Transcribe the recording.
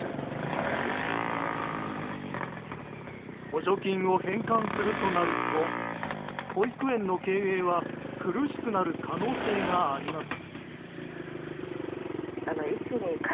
補助金を返還するとなると保育園の経営は苦しくなる可能性があります。